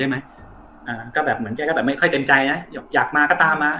อ่าก็แบบเหมือนแกก็แบบไม่ค่อยเต็มใจนะอยากอยากมาก็ตามมา